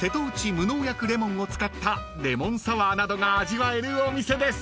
無農薬レモンを使ったレモンサワーなどが味わえるお店です］